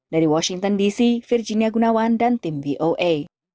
dari washington dc virginia gunawan dan tim voa